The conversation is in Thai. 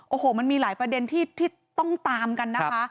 โอ้โหมันมีหลายประเด็นที่ต้องตามกันนะคะ